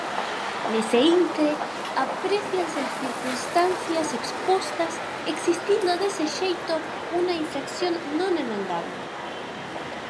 Nese intre "aprécianse as circunstancias expostas, existindo dese xeito unha infracción non emendable".